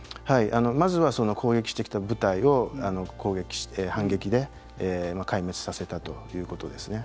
まずは攻撃してきた部隊を反撃で壊滅させたということですね。